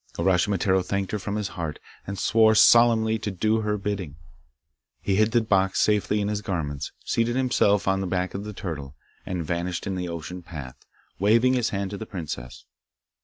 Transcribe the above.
Uraschimataro thanked her from his heart, and swore solemnly to do her bidding. He hid the box safely in his garments, seated himself on the back of the turtle, and vanished in the ocean path, waving his hand to the princess.